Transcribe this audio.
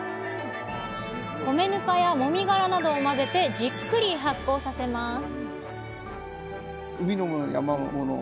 米ぬかやもみがらなどを混ぜてじっくり発酵させます